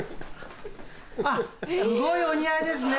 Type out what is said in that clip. あっすごいお似合いですね！